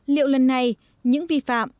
liệu lần này những vi phạm